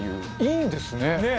中丸：いいんですね。